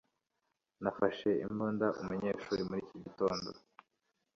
Nafashe imbunda umunyeshuri muri iki gitondo.